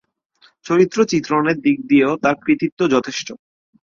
চরিত্র-চিত্রণের দিক দিয়েও তার কৃতিত্ব যথেষ্ট।